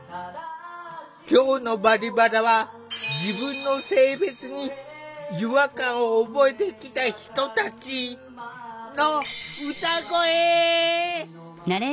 今日の「バリバラ」は自分の性別に違和感を覚えてきた人たちの歌声！